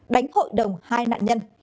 đánh hội đồng hai nạn nhân